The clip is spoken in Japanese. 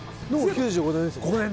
９５年です。